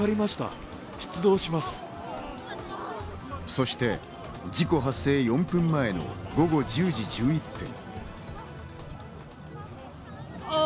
そして、事故発生４分前の午後１０時１１分。